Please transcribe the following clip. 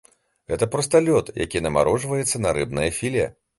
Гэта проста лёд, які намарожваецца на рыбнае філе.